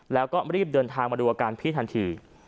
แล้วก็รีบเดินทางมาดูอาการพี่ทันที